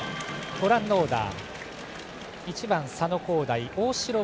ご覧のオーダー。